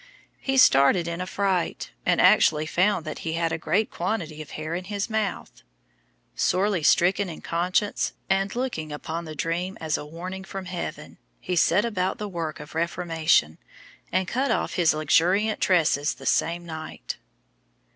He started in affright, and actually found that he had a great quantity of hair in his mouth. Sorely stricken in conscience, and looking upon the dream as a warning from heaven, he set about the work of reformation, and cut off his luxuriant tresses the same night.